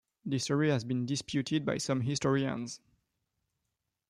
This story has been disputed by some historians.